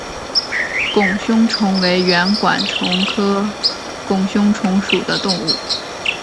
拱胸虫为圆管虫科拱胸虫属的动物。